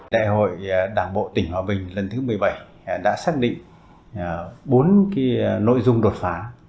đại hội đảng bộ tỉnh hòa bình lần thứ một mươi bảy đã xác định bốn nội dung đột phá